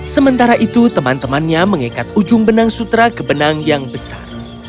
sementara itu teman temannya mengikat ujung benang sutra ke benang yang besar